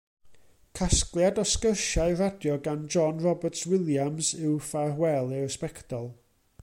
Casgliad o sgyrsiau radio gan John Roberts Williams yw Ffarwel i'r Sbectol.